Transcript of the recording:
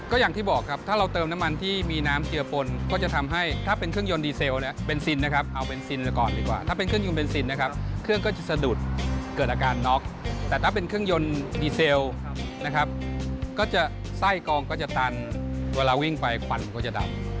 ก็อย่างที่บอกครับถ้าเราเติมน้ำมันที่มีน้ำเจือปนก็จะทำให้ถ้าเป็นเครื่องยนต์ดีเซลเนี่ยเบนซินนะครับเอาเป็นซินก่อนดีกว่าถ้าเป็นเครื่องยนต์เบนซินนะครับเครื่องก็จะสะดุดเกิดอาการน็อกแต่ถ้าเป็นเครื่องยนต์ดีเซลนะครับก็จะไส้กองก็จะตันเวลาวิ่งไปควันก็จะดำ